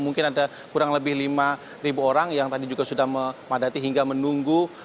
mungkin ada kurang lebih lima orang yang tadi juga sudah memadati hingga menunggu